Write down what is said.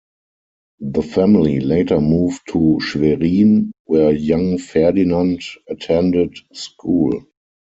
The family later moved to Schwerin, where young Ferdinand attended school.